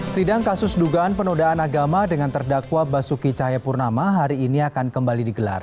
sidang kasus dugaan penodaan agama dengan terdakwa basuki cahayapurnama hari ini akan kembali digelar